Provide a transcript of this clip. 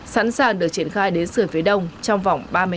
sẵn sàng được triển khai đến sửa phía đông trong vòng ba mươi năm